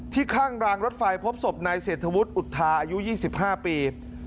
ข้างรางรถไฟพบศพนายเศรษฐวุฒิอุทาอายุ๒๕ปี